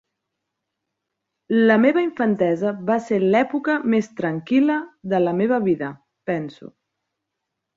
La meva infantesa va ser l'època més tranquil·la de la meva vida, penso.